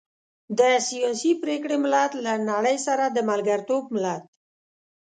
د سياسي پرېکړې ملت، له نړۍ سره د ملګرتوب ملت.